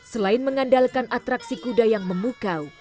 selain mengandalkan atraksi kuda yang memukau